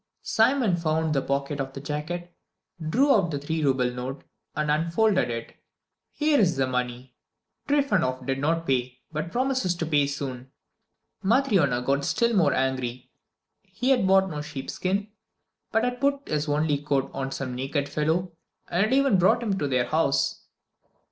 Simon found the pocket of the jacket, drew out the three rouble note, and unfolded it. "Here is the money. Trifonof did not pay, but promises to pay soon." Matryona got still more angry; he had bought no sheep skins, but had put his only coat on some naked fellow and had even brought him to their house.